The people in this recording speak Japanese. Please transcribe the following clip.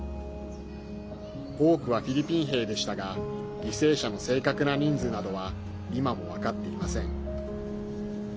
多くはフィリピン兵でしたが犠牲者の正確な人数などは今も分かっていません。